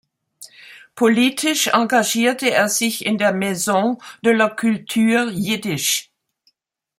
Politisch engagierte er sich in der Maison de la Culture Yiddish.